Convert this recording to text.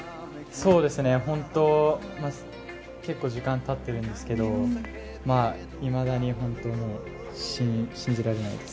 本当、結構時間が経ってるんですけどいまだに本当に信じられないです。